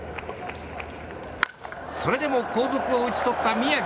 それでも後続を打ち取った宮城。